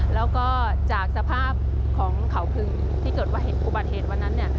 แล้วก็จากสภาพของเขาพึงที่เกิดว่าเห็นอุบัติเหตุวันนั้น